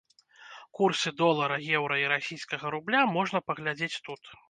Курсы долара, еўра і расійскага рубля можна паглядзець тут.